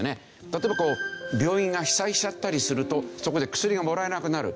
例えば病院が被災しちゃったりするとそこで薬がもらえなくなる。